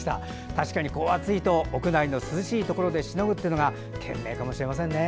確かに、こう暑いと屋内の涼しいところでしのぐというのが賢明かもしれませんね。